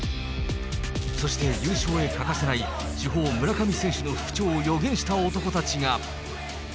そして優勝へ欠かせない主砲、村上選手の復調を予言した男たちが。